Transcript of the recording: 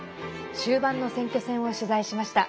終盤の選挙戦を取材しました。